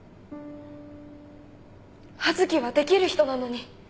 羽津希はできる人なのに。